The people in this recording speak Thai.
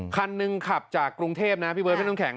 คันนึงขับจากกรุงเทพนะฮะพี่เว้ยแต่งชงแขขง